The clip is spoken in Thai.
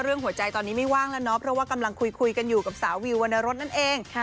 หัวใจตอนนี้ไม่ว่างแล้วเนาะเพราะว่ากำลังคุยกันอยู่กับสาววิววรรณรสนั่นเอง